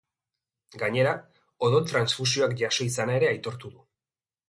Gainera, odol-transfusioak jaso izana ere aitortu du.